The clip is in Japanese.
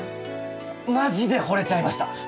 マジで惚れちゃいました。